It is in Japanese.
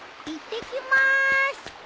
いってきまーす！